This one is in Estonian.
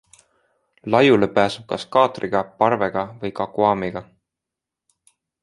Laiule pääseb kas kaatriga, parvega või kakuamiga.